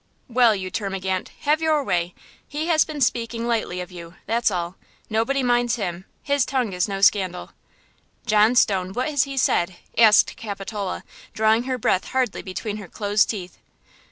"Well, you termagant! Have your way! He has been speaking lightly of you–that's all! Nobody minds him–his tongue is no scandal." "John Stone–what has he said?" asked Capitola, drawing her breath hardly between her closed teeth.